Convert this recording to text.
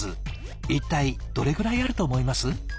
一体どれぐらいあると思います？